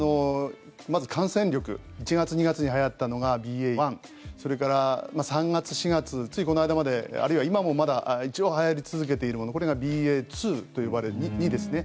まず感染力１月、２月にはやったのがＢＡ．１それから３月、４月ついこの間まであるいは今もまだ一応はやり続けているこれがＢＡ．２と呼ばれる２ですね。